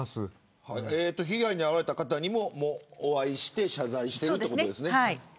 被害に遭われた方にもお会いして謝罪しているということですね。